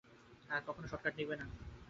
আর কখনো শর্টকাট নেবে না।